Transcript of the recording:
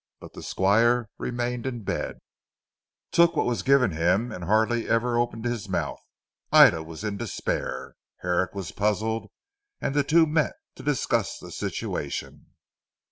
But the Squire remained in bed, took what was given him, and hardly ever opened his mouth. Ida was in despair; Herrick was puzzled, and the two met to discuss the situation.